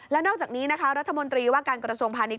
และนอกจากนี้นะคะรัฐมนตรีว่าการกรสวงภ์พาณิชย์